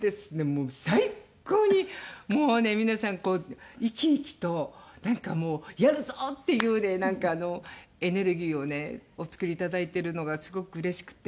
もう最高にもうね皆さんこう生き生きとなんかもうやるぞ！っていうねなんかエネルギーをねお作りいただいてるのがすごくうれしくて。